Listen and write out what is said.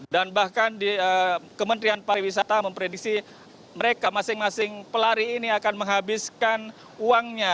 dan bahkan di kementerian para wisata memprediksi mereka masing masing pelari ini akan menghabiskan uangnya